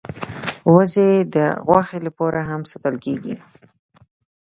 وزې د غوښې لپاره هم ساتل کېږي